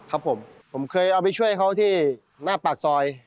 ครับผมผมเคยเอาไปช่วยเขาที่หน้าปากซอย